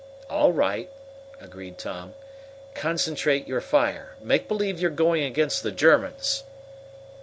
"All right," agreed Tom. "Concentrate your fire. Make believe you're going against the Germans!"